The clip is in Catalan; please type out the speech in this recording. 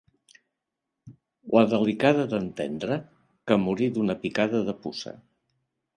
La delicada d'en Tendre, que morí d'una picada de puça.